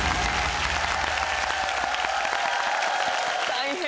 大変！